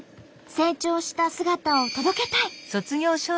成長した姿を届けたい。